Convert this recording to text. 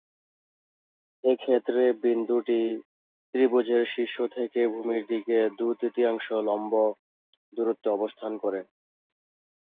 এক্ষেত্রে বিন্দুটি ত্রিভুজের শীর্ষ থেকে ভূমির দিকে দুই-তৃতীয়াংশ লম্ব দূরত্বে অবস্থান করে।